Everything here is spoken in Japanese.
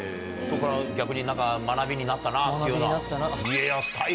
そっから逆に学びになったなっていうような。